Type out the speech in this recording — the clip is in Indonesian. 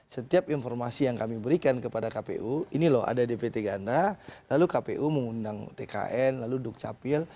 setiap informasi yang kami berikan kepada kpu ini loh ada dpt ganda lalu kpu mengundang tkn lalu dukcapil